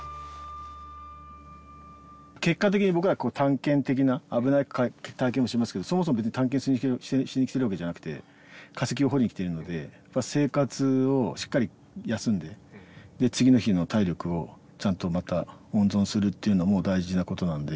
結果的に僕ら探検的な危ない体験もしますけどそもそも別に探検しに来てるわけじゃなくて化石を掘りに来てるので生活をしっかり休んで次の日の体力をちゃんとまた温存するっていうのも大事なことなんで。